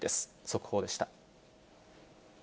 速報でした。